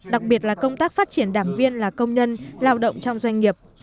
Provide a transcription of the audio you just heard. đặc biệt là công tác phát triển đảng viên là công nhân lao động trong doanh nghiệp